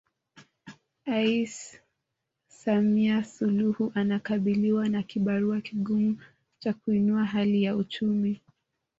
ais Samia Suluhu anakabiliwa na kibarua kigumu cha kuinua hali ya uchumi